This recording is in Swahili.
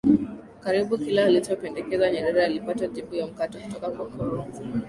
Karibu kila alichopendekeza Nyerere alipata jibu la mkato kutoka kwa Karume